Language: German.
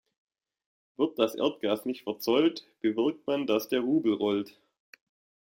Wird das Erdgas nicht verzollt, bewirkt man, dass der Rubel rollt.